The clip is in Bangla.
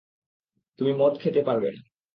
তুমি মদ খেতে পারবে না।